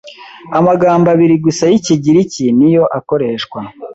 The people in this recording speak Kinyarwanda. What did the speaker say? amagambo abiri gusa y'Ikigiriki ni yo akoreshwa,